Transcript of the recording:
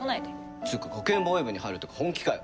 っつうか学園防衛部に入るとか本気かよ？